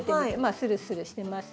スルスルしてます。